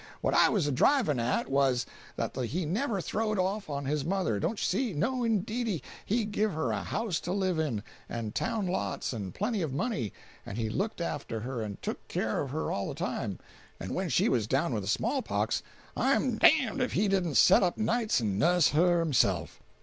What I was a drivin' at, was, that he never throwed off on his mother—don't you see? No indeedy. He give her a house to live in, and town lots, and plenty of money; and he looked after her and took care of her all the time; and when she was down with the small pox I'm d— d if he didn't set up nights and nuss her himself!